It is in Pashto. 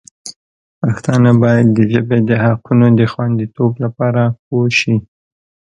پښتانه باید د ژبې د حقونو د خوندیتوب لپاره پوه شي.